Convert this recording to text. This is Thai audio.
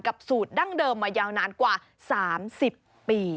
สูตรดั้งเดิมมายาวนานกว่า๓๐ปี